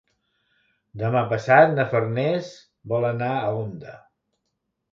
Demà passat na Farners vol anar a Onda.